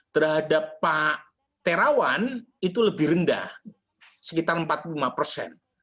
terhadap pak terawan itu lebih rendah sekitar empat puluh lima persen